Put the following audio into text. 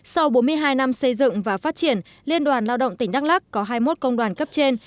sau bốn mươi hai năm xây dựng và phát triển liên đoàn lao động tỉnh đắk lắc có hai mươi một công đoàn cấp trên